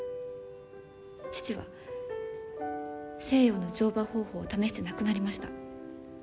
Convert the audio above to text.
父は西洋の乗馬方法を試して亡くなりました。